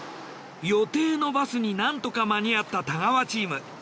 予定のバスになんとか間に合った太川チーム。